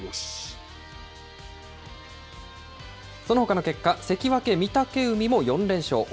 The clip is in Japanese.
そのほかの結果、関脇・御嶽海も４連勝。